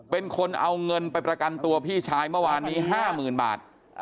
เป็นคนเอาเงินไปประกันตัวพี่ชายเมื่อวานนี้๕๐๐๐บาท